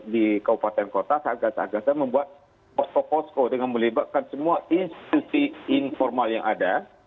di kabupaten kota satgas satgas membuat oksoposko dengan melibatkan semua institusi informal yang ada